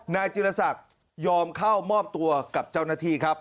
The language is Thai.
จิลศักดิ์ยอมเข้ามอบตัวกับเจ้าหน้าที่ครับ